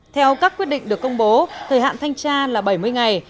theo các quyết định được công bố thời hạn thanh tra là bảy mươi ngày